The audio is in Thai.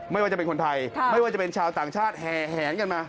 ไม่ว่าจะเป็นคนไทยไม่ว่าจะเป็นชาวต่างชาติแห่แหงกันมา